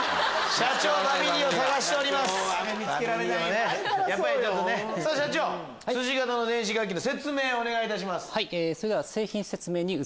社長すし型の電子楽器の説明をお願いいたします。